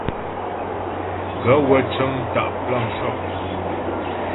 Gaə̂ wə́ cə́ŋ tá' plan shɔ́p.